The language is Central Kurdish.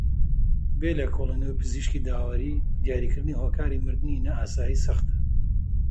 بێ لێکۆڵێنەوەی پزیشکی داوەریی دیاریکردنی هۆکاری مردنی نائاسایی سەختە